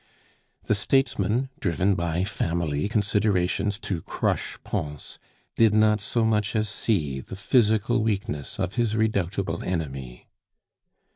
The statesman, driven by family considerations to crush Pons, did not so much as see the physical weakness of his redoubtable enemy.